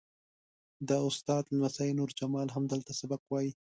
د استاد لمسی نور جمال هم دلته سبق وایي.